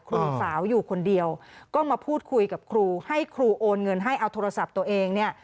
ครูสาวอยู่คนเดียวก็มาพูดคุยกับครูให้ครูโอนเงินให้เอาโทรศัพท์ตัวเองเนี่ย